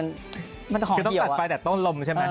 คิดว่านี่ต้องตัดไฟจะต้นต้นลมไหม